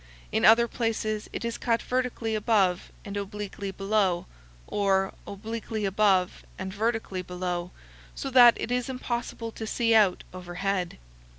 In other places it is cut vertically above and obliquely below, or obliquely above and vertically below, so that it is impossible to see out overhead.